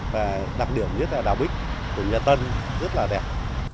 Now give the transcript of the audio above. và đặc điểm nhất là đào bích của nhật tân rất là đẹp